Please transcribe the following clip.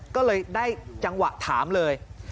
ก็เลยได้จังหวะถามเลย